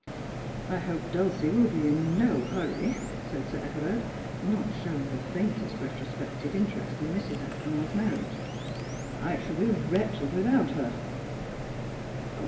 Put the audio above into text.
' I hope Dulcie will be in i±.j hurry,' said Sir Everard, not showing the faintest retrospective interest in Mrs. Aspinall'a marriage. ' I shall be wretched without her.'